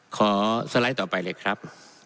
สไลด์ต่อไปเลยครับ